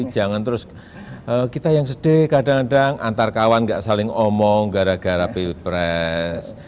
jangan terus kita yang sedih kadang kadang antar kawan gak saling omong gara gara pilpres